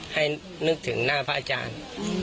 ให้นึกถึงหน้าพระอาจารย์